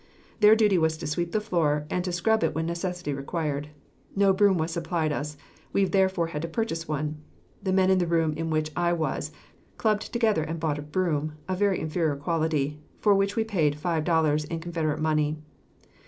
Their duty was to sweep the floor, and to scrub it when necessity required. No broom was supplied us. We therefore had to purchase one. The men in the room in which I was, clubbed together and bought a broom, of very inferior quality, for which we paid five dollars in Confederate money.